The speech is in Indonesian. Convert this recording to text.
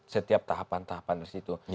setiap tahapan tahapan di situ